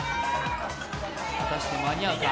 果たして間に合うか。